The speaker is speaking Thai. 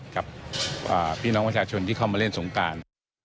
กับพี่น้องประชาชนในเล่นสงกราน